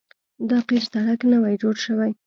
دا قیر سړک نوی جوړ شوی